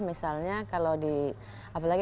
misalnya kalau di apalagi